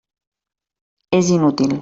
És inútil.